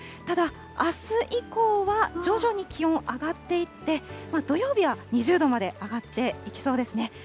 ただ、あす以降は徐々に気温上がっていって、土曜日は２０度まで上がっていきそうですね。